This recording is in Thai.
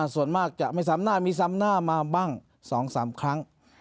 ส่วนมากจะไม่ซ้ำหน้ามีซ้ำหน้ามาบ้าง๒๓ครั้ง